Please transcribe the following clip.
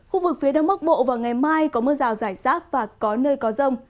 khu vực phía đông bắc bộ vào ngày mai có mưa rào rải rác và có nơi có rông